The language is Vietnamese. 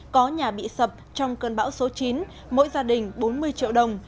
có nhà bị sập trong cơn bão số chín mỗi gia đình bốn mươi triệu đồng